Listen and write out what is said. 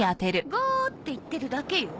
ゴーッていってるだけよ。